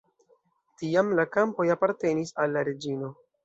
Tiam la kampoj apartenis al la reĝino.